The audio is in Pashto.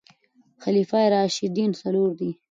خلفاء راشدين څلور دي